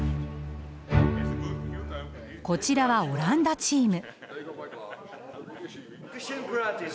こちらはオランダチーム。